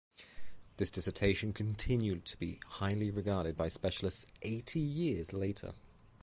This dissertation continued to be highly regarded by specialists eighty years later.